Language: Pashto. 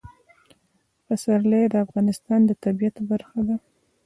پسرلی د افغانستان د طبیعت برخه ده.